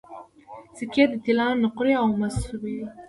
سکې د طلا نقرې او مسو وې